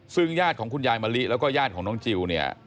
ซึ่งญาติของคุณยายมะลิแล้วก็ญาติของน้องจิลเนี่ย